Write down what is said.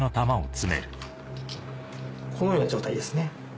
このような状態ですね。